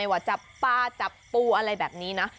ว่าจับปลาจับปูอะไรแบบนี้นะ